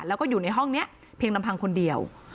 แล้วก็อยู่ในห้องนี้เพียงลำพังคนเดียว